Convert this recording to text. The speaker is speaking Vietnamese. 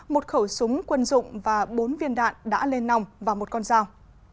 một khẩu súng quân dụng và bốn viên đạn đã lên nòng vào một con rào